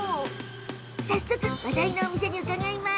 早速、話題のお店に伺います。